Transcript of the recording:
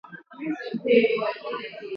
Baridi kama barafu.